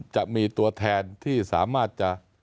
จะมีตัวแทนที่สามารถจะ